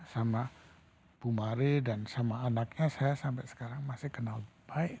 sama bu mari dan sama anaknya saya sampai sekarang masih kenal baik